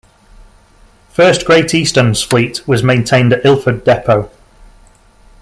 First Great Eastern's fleet was maintained at Ilford depot.